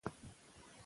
علم رڼا ده